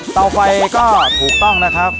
เตาไฟก็ถูกต้องนะครับ